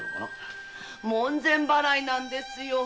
門前払いなんですよ。